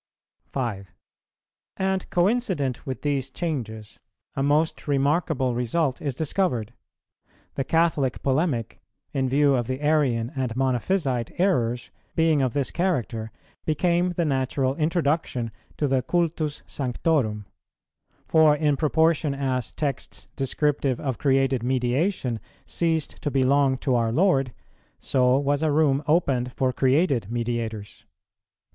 5. And coincident with these changes, a most remarkable result is discovered. The Catholic polemic, in view of the Arian and Monophysite errors, being of this character, became the natural introduction to the cultus Sanctorum; for in proportion as texts descriptive of created mediation ceased to belong to our Lord, so was a room opened for created mediators.